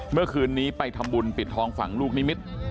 เมื่อคืนนี้ไปทำบุญปิดทองฝั่งลูกนิมิตร